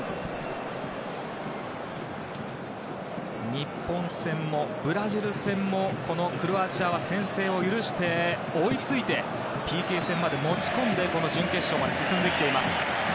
日本戦も、ブラジル戦もこのクロアチアは先制を許して追いついてＰＫ戦まで持ち込んで準決勝まで進んできています。